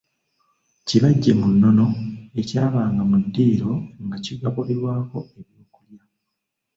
Kibajje mu nnono ekyabanga mu ddiiro nga kigabulirwako ebyokulya.